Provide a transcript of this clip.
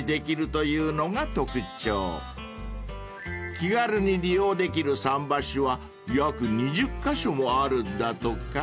［気軽に利用できる桟橋は約２０カ所もあるんだとか］